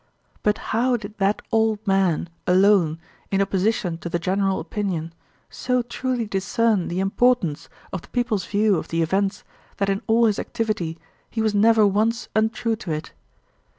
But how did that old man, alone, in opposition to the general opinion, so truly discern the importance of the people's view of the events that in all his activity he was never once untrue to it?